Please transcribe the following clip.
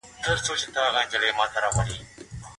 تاسو کولای سئ په ټولنه کي مثبت بدلون راولئ.